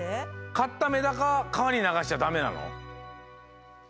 かったメダカかわにながしちゃダメなの？